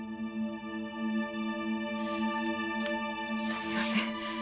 すみません。